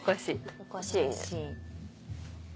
おかしいね。